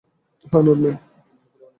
হ্যাঁ, নরম্যান।